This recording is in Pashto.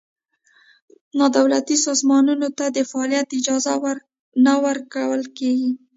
نا دولتي سازمانونو ته د فعالیت اجازه نه ورکول کېږي.